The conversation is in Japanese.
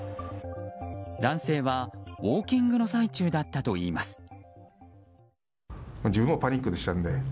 男性はウォーキングの最中だったといいます。